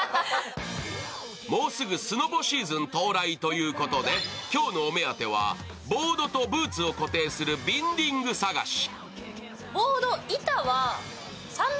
もうすぐスノボシーズン到来ということで今日のお目当てはボードとブーツを固定するビンディング探し。